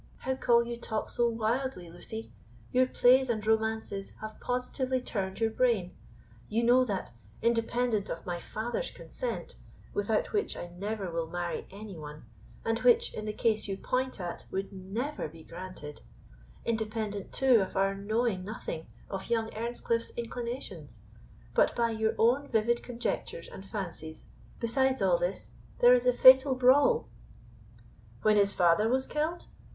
"How call you talk so wildly, Lucy? Your plays and romances have positively turned your brain. You know, that, independent of my father's consent, without which I never will marry any one, and which, in the case you point at, would never be granted; independent, too, of our knowing nothing of young Earnscliff's inclinations, but by your own vivid conjectures and fancies besides all this, there is the fatal brawl!" "When his father was killed?"